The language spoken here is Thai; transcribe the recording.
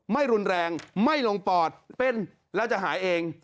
ไม่รุนแรงไม่ลงปอดเป็นแล้วจะหายเอง